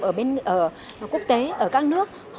ở quốc tế ở các nước